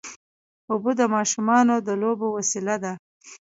اوبه د ماشومانو د لوبو وسیله ده.